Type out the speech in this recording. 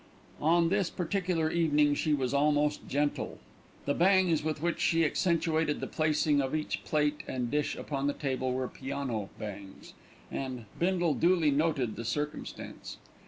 On this particular evening she was almost gentle. The bangs with which she accentuated the placing of each plate and dish upon the table were piano bangs, and Bindle duly noted the circumstance.